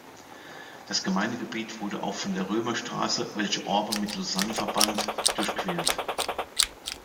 Das Gemeindegebiet wurde auch von der Römerstrasse, welche Orbe mit Lausanne verband, durchquert.